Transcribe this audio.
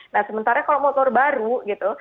nah sementara kalau motor baru gitu